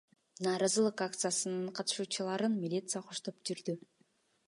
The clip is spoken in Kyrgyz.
Нааразылык акциясынын катышуучуларын милиция коштоп жүрдү.